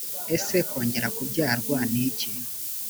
ese kongera kubyarwa niki?